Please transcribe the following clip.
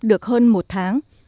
được hơn một tháng